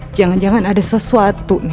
jangan jangan ada sesuatu nih